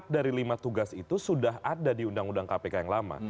empat dari lima tugas itu sudah ada di undang undang kpk yang lama